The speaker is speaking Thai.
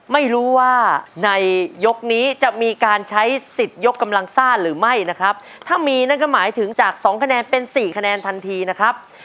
ไม่รู้ว่าในยกนี้จะมีการใช้สิทธิ์ยกกำลังซ่าหรือไม่นะครับถ้ามีนั่นก็หมายถึงจากสองคะแนนเป็นสี่คะแนนทันทีนะครับ